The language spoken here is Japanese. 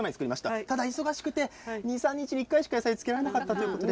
忙しくて２、３日寝かせた野菜漬けられなかったということです。